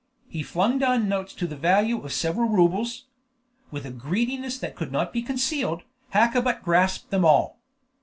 He flung down notes to the value of several rubles. With a greediness that could not be concealed, Hakkabut grasped them all.